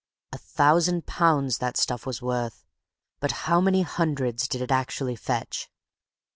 A thousand pounds that stuff was worth; but how many hundreds did it actually fetch.